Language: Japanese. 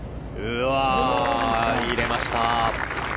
入れました。